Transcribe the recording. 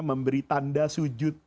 memberi tanda sujud